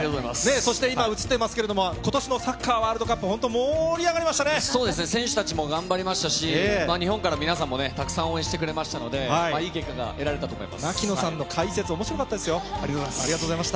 そして今、映っていますけれども、ことしのサッカーワールドカップ、本当、盛り上がりましたそうですね、選手たちも頑張りましたし、日本から皆さんもね、たくさん応援してくれましたので、槙野さんの解説、おもしろかありがとうございます。